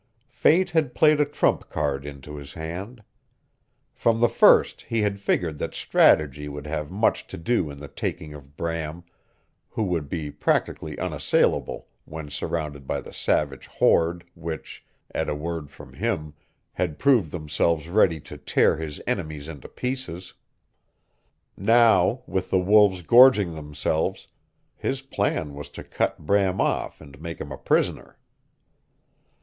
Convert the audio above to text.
Fate had played a trump card into his hand. From the first he had figured that strategy would have much to do in the taking of Bram, who would be practically unassailable when surrounded by the savage horde which, at a word from him, had proved themselves ready to tear his enemies into pieces. Now, with the wolves gorging themselves, his plan was to cut Bram off and make him, a prisoner.